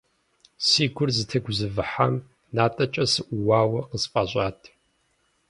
Си гур зытегузэвыхьам натӏэкӏэ сыӀууауэ къысфӏэщӏат.